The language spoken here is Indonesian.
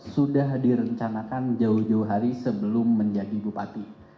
sudah direncanakan jauh jauh hari sebelum menjadi bupati